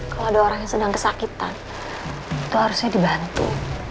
kalau ada orang yang sedang kesakitan itu harusnya dibantu